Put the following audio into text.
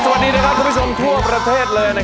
เปลี่ยนเพลง